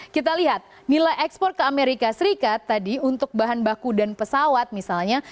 kita lihat nilai ekspor ke amerika serikat tadi untuk bahan baku dan pesawat misalnya